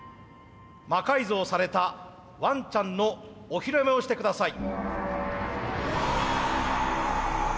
魔改造されたワンちゃんのお披露目をして下さい。